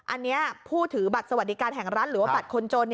อันนี้ผู้ถือบัตรสวัสดิการแห่งรัฐหรือว่าบัตรคนจน